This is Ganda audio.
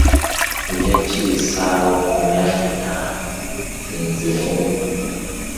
Nja kiyisaawo emyaka etaano nziremu.